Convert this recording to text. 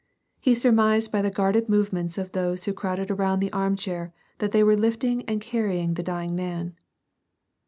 He surmised by the guarded movements of those who crowded around the arm chair that they were lift ing and carrying the dying man.